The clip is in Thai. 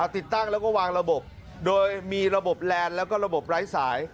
ติดตั้งแล้วก็วางระบบโดยมีระบบแลนด์แล้วก็ระบบไร้สาย